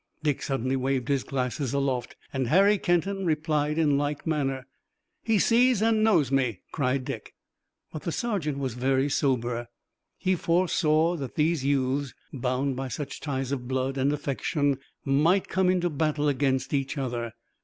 Dick suddenly waved his glasses aloft, and Harry Kenton replied in like manner. "He sees and knows me!" cried Dick. But the sergeant was very sober. He foresaw that these youths, bound by such ties of blood and affection, might come into battle against each other.